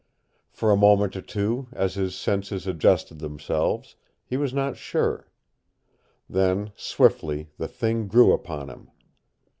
For a moment or two, as his senses adjusted themselves, he was not sure. Then swiftly the thing grew upon him.